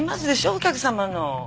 お客様の。